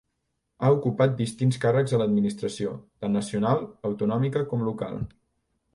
Ha ocupat distints càrrecs a l'Administració, tant nacional, autonòmica com local.